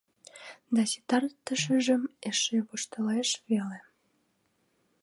Да ситартышыжым эше воштылеш веле...